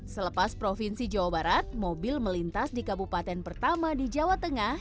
selepas provinsi jawa barat mobil melintas di kabupaten pertama di jawa tengah